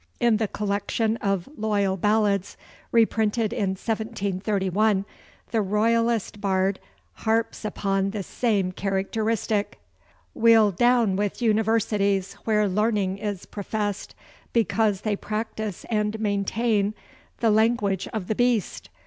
In the collection of loyal ballads reprinted in 1731, the Royalist bard harps upon the same characteristic: 'We'll down with universities Where learning is professed, Because they practise and maintain The language of the beast.